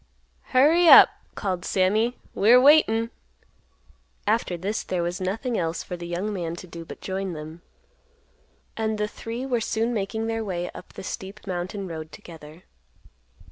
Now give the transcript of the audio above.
"Hurry up," called Sammy, "we're waitin'." After this there was nothing else for the young man to do but join them. And the three were soon making their way up the steep mountain road together.